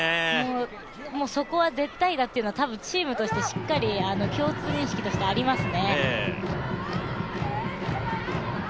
そこは絶対だというのはチームとしてはしっかり共通認識としてありますね。